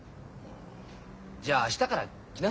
じゃあ明日から来なさい。